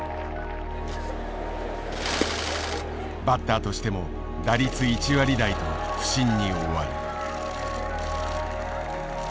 バッターとしても打率１割台と不振に終わる。